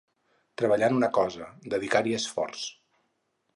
Treballar en una cosa, dedicar-hi esforç.